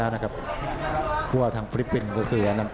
อัศวินาศาสตร์อัศวินาศาสตร์